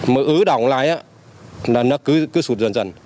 mới ứ động lại nó cứ sụt dần dần